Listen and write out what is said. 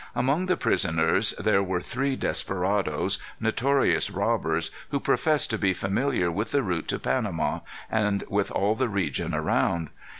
Among the prisoners there were three desperadoes, notorious robbers, who professed to be familiar with the route to Panama, and with all the region around.